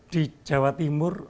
di jawa timur